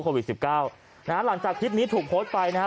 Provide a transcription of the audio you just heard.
โควิดสิบเก้านะฮะหลังจากคลิปนี้ถูกโพสต์ไปนะฮะ